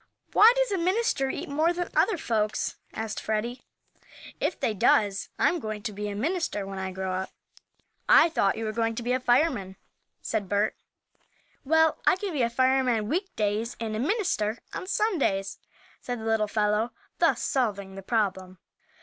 "Why, does a minister eat more than other folks?" asked Freddie. "If they does, I'm going to be a minister when I grow up." "I thought you were going to be a fireman," said Bert. "Well, I can be a fireman week days and a minister on Sundays," said the little fellow, thus solving the problem.